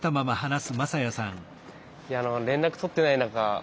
いや連絡取ってない中